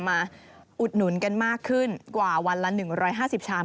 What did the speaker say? อุดหนุนกันมากขึ้นกว่าวันละ๑๕๐ชาม